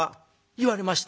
「言われました。